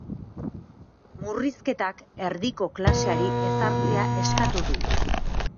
Murrizketak erdiko klaseari ezartzea eskatu du.